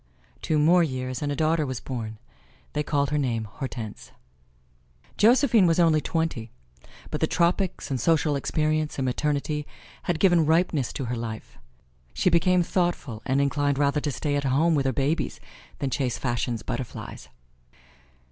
Two more years and a daughter was born. They called her name Hortense. Josephine was only twenty, but the tropics and social experience and maternity had given ripeness to her life. She became thoughtful and inclined rather to stay at home with her babies than chase fashion's butterflies.